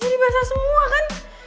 ini basah semua kan